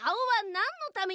なんのため？